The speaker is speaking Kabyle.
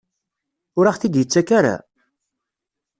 Ur aɣ-t-id-yettak ara?